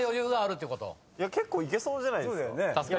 結構いけそうじゃないですか？